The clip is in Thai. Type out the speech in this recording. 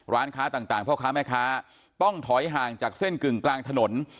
ร้านค้าต่างพ่อค้าแม่ค้าต้องถอยห่างจากเส้นกึ่งกลางถนน